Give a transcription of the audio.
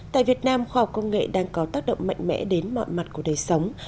tại việt nam khoa học công nghệ đang có tác động mạnh mẽ đến mọi mặt của đời sống